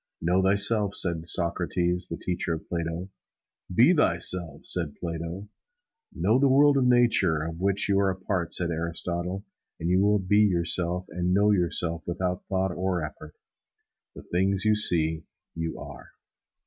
"Know thyself," said Socrates, the teacher of Plato. "Be thyself," said Plato. "Know the world of Nature, of which you are a part," said Aristotle; "and you will be yourself and know yourself without thought or effort. The things you see, you are."